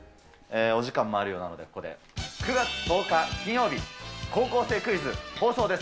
お時間もあるようなので、ここで、９月１０日金曜日、高校生クイズ放送です。